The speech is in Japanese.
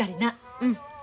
うん。